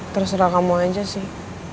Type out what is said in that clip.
terserah kamu aja sih